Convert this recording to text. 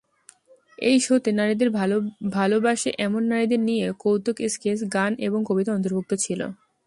এই শোতে নারীদের ভালবাসে এমন নারীদের নিয়ে কৌতুক স্কেচ, গান এবং কবিতা অন্তর্ভুক্ত ছিল।